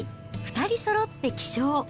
２人そろって起床。